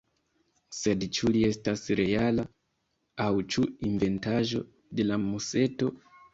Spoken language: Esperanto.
Sed ĉu li estas reala, aŭ ĉu inventaĵo de la museto?